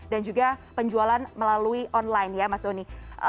dan juga penjualan melalui online ya mas doni